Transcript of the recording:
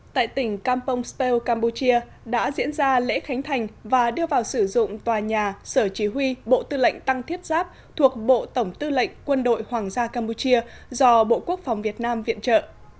tại tỉnh kampong speo campuchia đã diễn ra lễ khánh thành và đưa vào sử dụng tòa nhà sở chỉ huy bộ tư lệnh tăng thiết giáp thuộc bộ tổng tư lệnh quân đội hoàng gia campuchia do bộ quốc phòng việt nam viện trợ